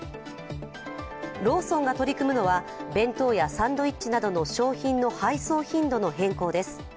ローソンが取り組むのは弁当やサンドイッチなどの商品の配送頻度の変更です。